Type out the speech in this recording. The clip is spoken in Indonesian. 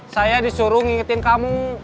saya disuruh ngingetin kamu